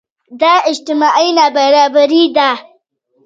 دا اجتماعي نابرابري ده.